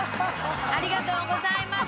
ありがとうございます。